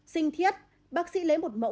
sinh thiết bác sĩ lấy một mẫu